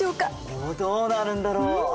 おどうなるんだろう？